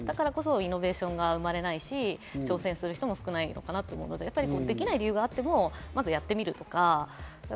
だからこそ、イノベーションが生まれないし、挑戦する人も少ないのかなと思うのでできない理由があってもやってみるとか。